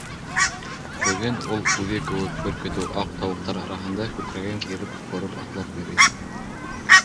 Бөгөн ул үҙе кеүек бер көтөү аҡ тауыҡтар араһында, күкрәген киреп, ғорур атлап йөрөй.